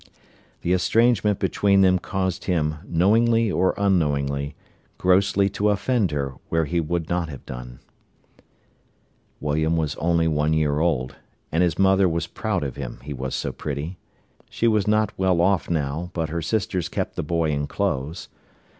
The estrangement between them caused him, knowingly or unknowingly, grossly to offend her where he would not have done. William was only one year old, and his mother was proud of him, he was so pretty. She was not well off now, but her sisters kept the boy in clothes.